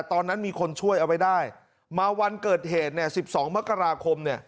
ตอนนั้นมีคนช่วยเอาไปได้มาวันเกิดเหตุ๑๒มกราคม